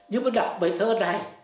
nhưng mà đọc bài thơ này